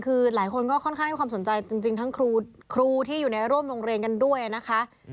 คือหลายคนก็ค่อนข้างให้ความสนใจจริงทั้งครูที่อยู่ในร่วมโรงเรียนกันด้วยนะคะ